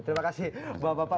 terima kasih bapak bapak